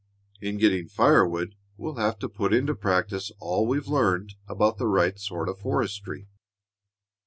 In getting fire wood we'll have to put into practice all we've learned about the right sort of forestry.